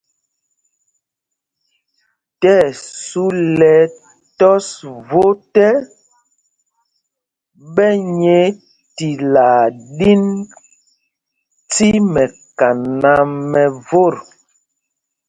Tí ɛsu lɛ ɛtɔs vot ɛ, ɓɛ nyɛɛ tilaa ɗin tí mɛkaná mɛ vot.